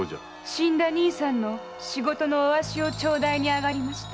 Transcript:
死んだ兄さんの仕事のおあしを頂戴に上がりました。